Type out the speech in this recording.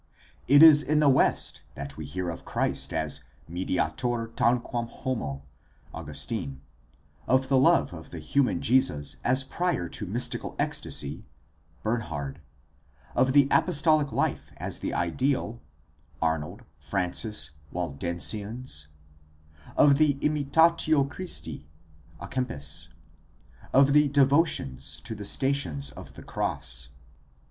It is in the West that we hear of Christ as mediator tanquam homo (Augustine), of the love of the human Jesus as prior to mystical ecstasy (Bernhard), of the apostolic life as the ideal (Arnold, Francis, Waldensians) , of the Imitatio Christi (a Kempis) , of the de votions of the Stations of the Cross.